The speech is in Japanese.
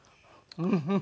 うん。